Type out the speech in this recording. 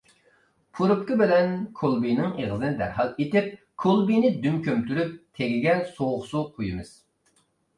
پۇرۇپكا بىلەن كولبىنىڭ ئېغىزىنى دەرھال ئېتىپ، كولبىنى دۈم كۆمتۈرۈپ تېگىگە سوغۇق سۇ قۇيىمىز.